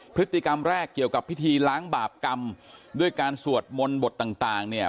พฤติกรรมแรกเกี่ยวกับพิธีล้างบาปกรรมด้วยการสวดมนต์บทต่างต่างเนี่ย